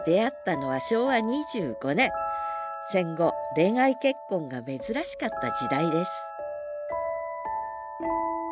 戦後恋愛結婚が珍しかった時代です